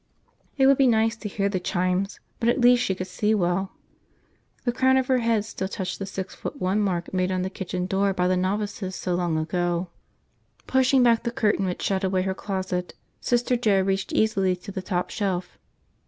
It would be nice to hear the chimes. But at least she could see well. And the crown of her head still touched the six foot one mark made on the kitchen door by the novices so long ago. Pushing back the curtain which shut away her closet, Sister Joe reached easily to the top shelf.